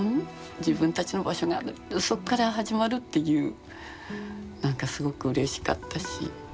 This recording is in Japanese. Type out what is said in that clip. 自分たちの場所があるそっから始まるっていうなんかすごくうれしかったし。